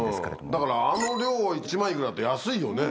だからあの量を１万いくらって安いよね。